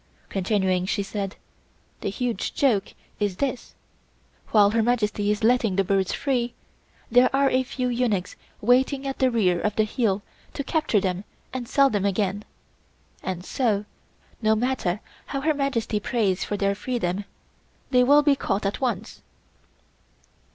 Continuing, she said: "The huge joke is this: while Her Majesty is letting the birds free, there are a few eunuchs waiting at the rear of the hill to capture them and sell them again, and so, no matter how Her Majesty prays for their freedom, they will be caught at once."